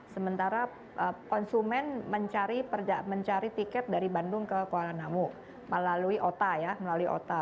sementara konsumen mencari tiket dari bandung ke kuala namu melalui ota